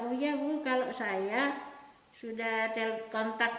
anak anak saya kalau saya sudah telkontak anak anak